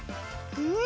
うん！